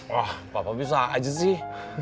wah papa bisa aja sih